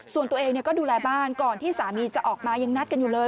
ส่วนตัวเองก็ดูแลบ้านก่อนที่สามีจะออกมายังนัดกันอยู่เลย